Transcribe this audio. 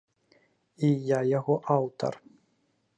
І я яго аўтар.